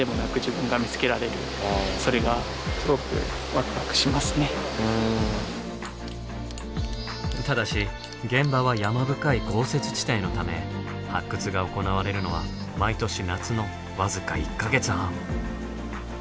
割った瞬間に自分がただし現場は山深い豪雪地帯のため発掘が行われるのは毎年夏の僅か１か月半。